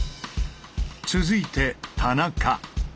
続いて田中。